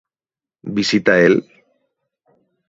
¿Visita él?